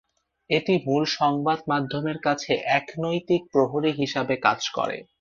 এটি মূলত সংবাদ মাধ্যমের কাছে এক নৈতিক প্রহরী হিসাবে কাজ করে।